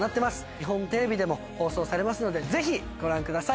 日本テレビでも放送されますのでぜひご覧ください